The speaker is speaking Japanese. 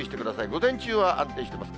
午前中は安定しています。